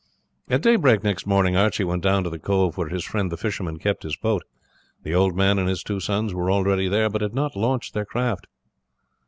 At daybreak next morning Archie went down to the cove where his friend the fisherman kept his boat. The old man and his two sons were already there, but had not launched their craft.